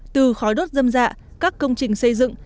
từ khói đốt dâm dạ các công trình xây dựng